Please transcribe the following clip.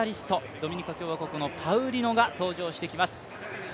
ドミニカ共和国のパウリノが登場してきます。